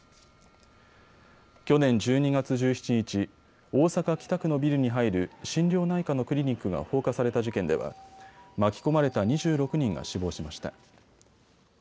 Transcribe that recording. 去年１２月１７日、大阪北区のビルに入る心療内科のクリニックが放火された事件では巻き込まれた２６人が死亡しました。